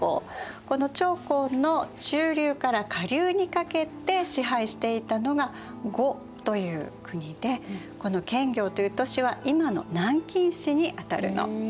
この長江の中流から下流にかけて支配していたのが呉という国でこの建業という都市は今の南京市にあたるの。